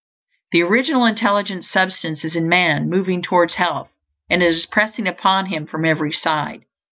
_ _The Original Intelligent Substance is in man, moving toward health; and it is pressing upon him from every side.